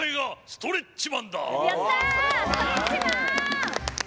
ストレッチマン。